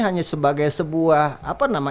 hanya sebagai sebuah apa namanya